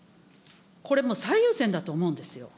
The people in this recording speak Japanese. これもう、最優先だと思うんですよ。